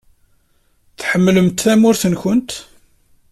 Tḥemmlemt tamurt-nwent?